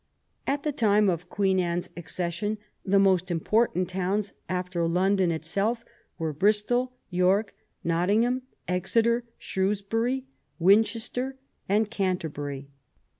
At the time of Queen Anne's accession the most im portant towns after London itself were Bristol, York, Nottingham, Exeter, ShrcAvsbury, Winchester, and Canterbury.